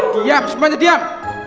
diam semuanya diam